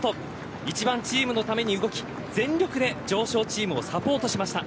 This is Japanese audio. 一番チームのために動き全力で常勝チームをサポートしました。